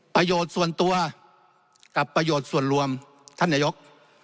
ประโยชน์ส่วนตัวกับประโยชน์ส่วนรวมท่านนายก